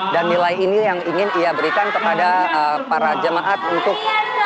dan nilai ini yang ingin ia berikan kepada para jemaat untuk